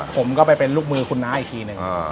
ผมก็ไปเป็นลูกมือคุณน้าอีกทีหนึ่ง